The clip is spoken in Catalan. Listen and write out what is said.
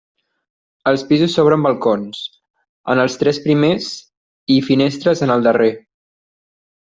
Els pisos s'obren balcons, en els tres primers, i finestres en el darrer.